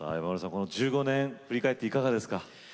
この１５年振り返っていかがですか？